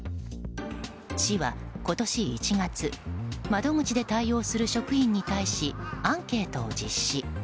市は今年１月窓口で対応する職員に対しアンケートを実施。